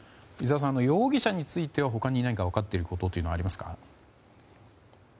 容疑者については他に分かっていることありますか？